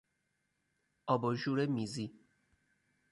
آباژور میزی